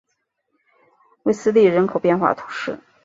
韦斯利人口变化图示